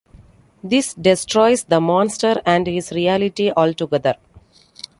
This destroys the monster and his reality altogether.